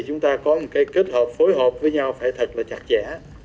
chúng ta có một cái kết hợp phối hợp với nhau phải thật là chặt chẽ